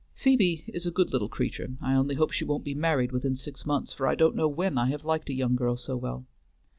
Phoebe is a good little creature; I only hope she won't be married within six months, for I don't know when I have liked a young girl so well.